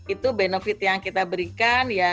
itu benefit yang kita berikan ya